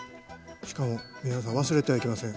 しかも皆さん忘れてはいけません。